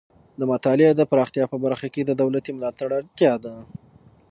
د مطالعې د پراختیا په برخه کې د دولتي ملاتړ اړتیا ده.